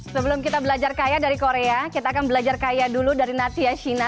sebelum kita belajar kaya dari korea kita akan belajar kaya dulu dari natia shina